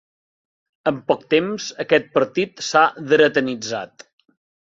Amb poc temps aquest partit s'ha dretanitzat.